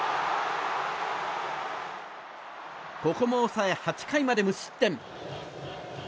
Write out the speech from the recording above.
ここも抑え、８回まで無失点。